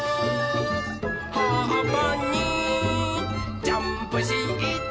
「はっぱにジャンプして」